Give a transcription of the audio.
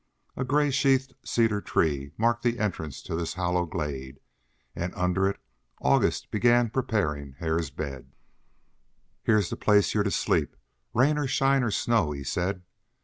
A gray sheathed cedar tree marked the entrance to this hollow glade, and under it August began preparing Hare's bed. "Here's the place you're to sleep, rain or shine or snow," he said.